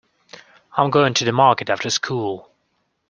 I'm going to the market after school.